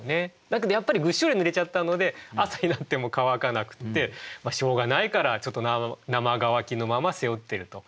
だけどやっぱりぐっしょりぬれちゃったので朝になっても乾かなくってしょうがないからちょっと生乾きのまま背負ってると。